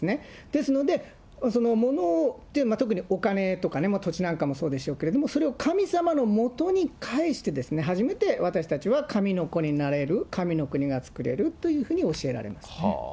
ですので、物を、特にお金とか土地なんかもそうでしょうけれども、それを神様のもとに返して、初めて私たちは神の子になれる、神の国が作れるというふうに教えられますね。